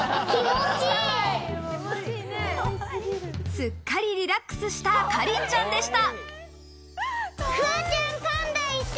すっかりリラックスしたかりんちゃんでした。